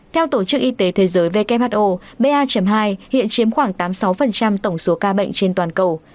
theo tổ chức y tế thế giới who ba hai hiện chiếm khoảng tám mươi sáu tổng số ca bệnh trên toàn cầu